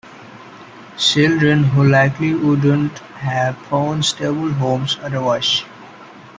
Children who likely wouldn't have found stable homes otherwise.